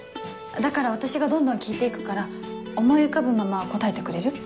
だから私がどんどん聞いて行くから思い浮かぶまま答えてくれる？